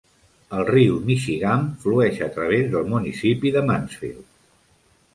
El riu Michigamme flueix a través del municipi de Mansfield.